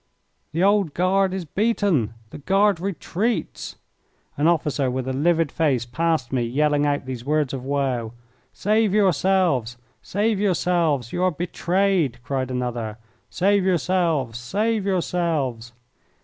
"The Old Guard is beaten! The Guard retreats!" An officer with a livid face passed me yelling out these words of woe. "Save yourselves! Save yourselves! You are betrayed!" cried another. "Save yourselves! Save yourselves!"